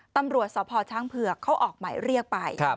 ตำรวจสพช้างเผือกเขาออกหมายเรียกไป